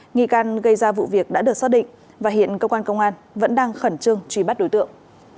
nghi can gây ra vụ việc đã được xác định và hiện cơ quan công an vẫn đang khẩn trương truy bắt đối tượng